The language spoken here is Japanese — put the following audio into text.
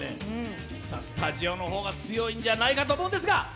スタジオの方が強いんじゃないかと思うんですが。